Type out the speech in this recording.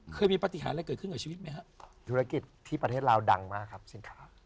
เคยมีปฏิหารอะไรเกิดขึ้นกับชีวิตไหมฮะธุรกิจที่ประเทศลาวดังมากครับเช่นครับ